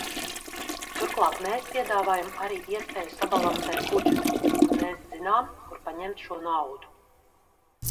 Turklāt mēs piedāvājam arī iespēju sabalansēt budžetu, un mēs zinām, kur paņemt šo naudu.